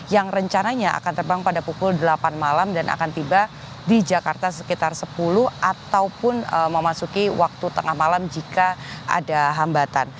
yang rencananya akan terbang pada pukul delapan malam dan akan tiba di jakarta sekitar sepuluh ataupun memasuki waktu tengah malam jika ada hambatan